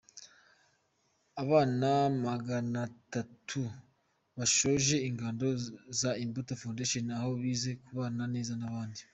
Abana Maganatatu bashoje ingando za Imbuto Foundation, aho bize kubana neza n’abandi